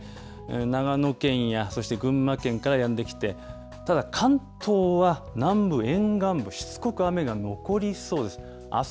長野県やそして群馬県からやんできて、ただ関東は南部沿岸部、しつこく雨が残りそうです。